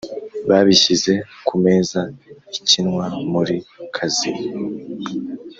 Babishyize ku meza ikinwa muri kazino